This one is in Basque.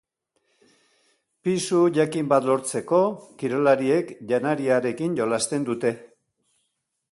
Pisu jakin bat lortzeko kirolariek janariarekin jolasten dute.